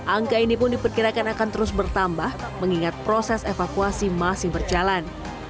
angka ini pun diperkirakan akan terus bertambah mengingat proses evakuasi masih berjalan